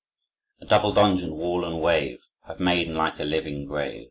"A double dungeon, wall and wave Have made—and like a living grave.